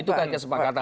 itu kan kesepakatan